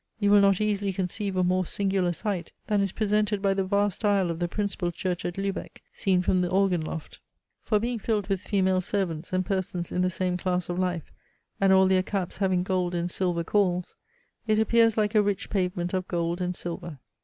You will not easily conceive a more singular sight, than is presented by the vast aisle of the principal church at Luebec, seen from the organ loft: for being filled with female servants and persons in the same class of life, and all their caps having gold and silver cauls, it appears like a rich pavement of gold and silver.